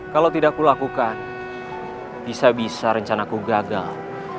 kalau tidak kulakukan bisa bisa rencanaku gagal